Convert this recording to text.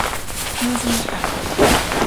Non se me escapa.